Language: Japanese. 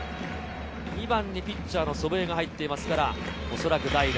２番にピッチャーの祖父江が入っていますから、おそらく代打。